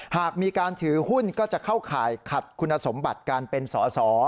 หากมีการถือหุ้นก็จะเข้าข่ายขัดคุณสมบัติการเป็นสอสอ